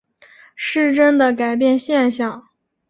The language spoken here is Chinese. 失真的改变现象。